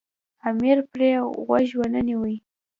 امیر پرې غوږ ونه نیوی.